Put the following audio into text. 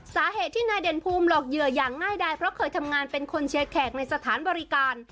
สาเหตุที่นายเด่นภูมิหลอกเหยื่ออย่างง่ายดายเพราะเคยทำงานเป็นคนเชียร์แขกในสถานบริการ